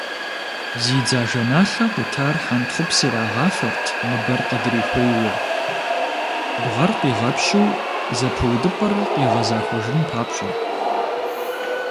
Зи дзажэналъэ къутар хьэнтхъупс ирагъафэрт ныбэр къыдрихуейуэ, бгъэр къигъэпщу зэпыудыпӏэр къигъэзахуэжын папщӏэ.